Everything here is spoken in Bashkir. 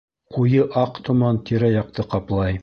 Ҡуйы аҡ томан тирә-яҡты ҡаплай.